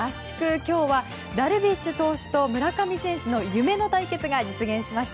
今日はダルビッシュ投手と村上選手の夢の対決が実現しました。